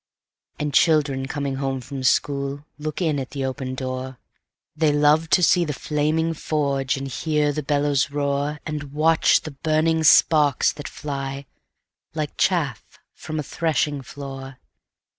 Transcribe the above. And children coming home from school Look in at the open door; They love to see the flaming forge, And hear the bellows roar, And catch the burning sparks that fly, Like chaff from a threshing floor.